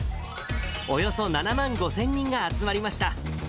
およそ７万５０００人が集まりました。